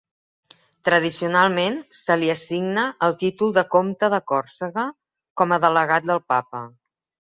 Tradicionalment se li assigna el títol de comte de Còrsega, com a delegat del Papa.